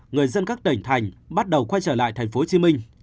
người dân các tỉnh thành bắt đầu quay trở lại tp hcm